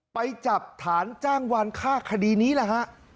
ไปจับฐานจ้างวานฆ่าคดีนี้แหละฮะ